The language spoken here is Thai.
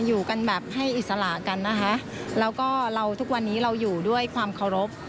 อยู่กันแบบให้อิสระกันนะคะแล้วก็เราทุกวันนี้เราอยู่ด้วยความเคารพ